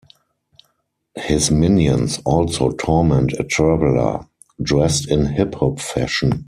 His minions also torment a traveler dressed in hip hop fashion.